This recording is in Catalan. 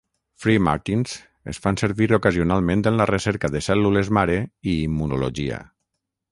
Freemartins es fan servir ocasionalment en la recerca de cèl·lules mare i immunologia.